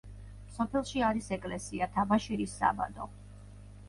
სოფელში არის ეკლესია, თაბაშირის საბადო.